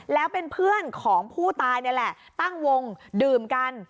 แล้วเป็นเพื่อนของผู้ตายนี่แหละตั้งวงดื่มกัน